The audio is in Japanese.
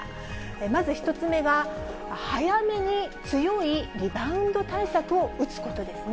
まず１つ目は、早めに強いリバウンド対策を打つことですね。